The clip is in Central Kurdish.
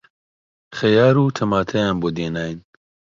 خەیار و تەماتەیان بۆ دێناین